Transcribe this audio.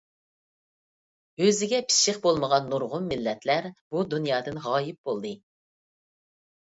ئۆزىگە پىششىق بولمىغان نۇرغۇن مىللەتلەر بۇ دۇنيادىن غايىب بولدى.